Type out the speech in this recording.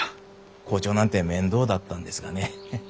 校長なんて面倒だったんですがね。